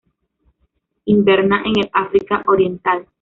Inverna en el África oriental.